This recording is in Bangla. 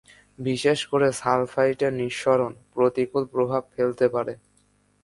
বিশেষ করে সালফাইট এর নিঃসরণ, প্রতিকূল প্রভাব ফেলতে পারে।